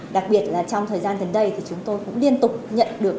đặc biệt là trong thời gian gần đây thì chúng tôi cũng liên tục nhận được